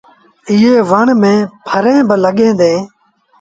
ايئي وڻ ميݩ ڦريٚݩ با لڳيٚن ديٚݩ۔